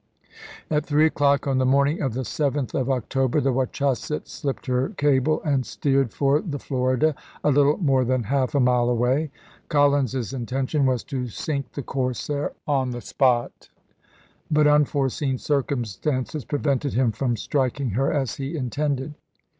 At three o'clock on the morning of the 7th of Oc 1864. tober the Wachusett slipped her cable and steered for the Florida, a little more than half a mile away. Col lins's intention was to sink the corsair on the spot ; but unforeseen circumstances prevented him from striking her as he intended.